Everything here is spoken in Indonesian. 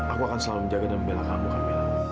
aku akan selalu menjaga dan membela kamu kak mila